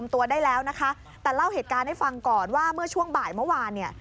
ตัวได้แล้วนะคะแต่เล่าเหตุการณ์ให้ฟังก่อนว่าเมื่อช่วงบ่ายเมื่อวานเนี่ย